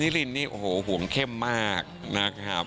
นิรินโอ้โฮห่วงเข้มมากนะครับ